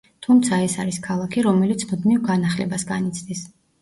თუმცა, ეს არის ქალაქი, რომელიც მუდმივ განახლებას განიცდის.